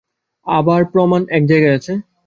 আবার প্রমাণ এক জায়গায় আছে?